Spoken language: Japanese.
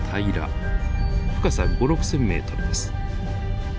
深さ５，０００６，０００ｍです。